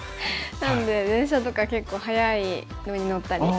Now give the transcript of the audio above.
なので電車とか結構早いのに乗ったりしますね。